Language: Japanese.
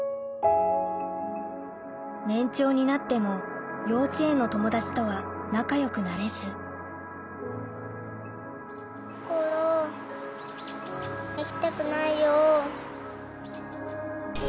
年長になっても幼稚園の友達とは仲良くなれずコロ行きたくないよ。